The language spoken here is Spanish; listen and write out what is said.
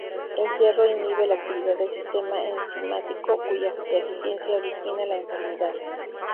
El hierro inhibe la actividad del sistema enzimático cuya deficiencia origina la enfermedad.